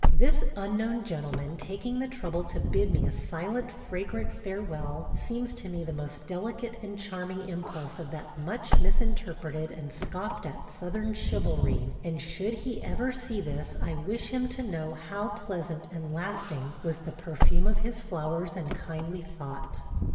This unknown gentleman taking the trouble to bid me a silent, fragrant farewell seems to me the most delicate and charming impulse of that much misinterpreted and scoffed at Southern chivalry, and should he ever see this I wish him to know how pleasant and lasting was the perfume of his flowers and kindly thought.